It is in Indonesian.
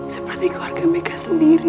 seperti keluarga mereka sendiri